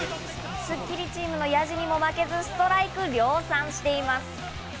スッキリチームのヤジにも負けずストライクを量産しています。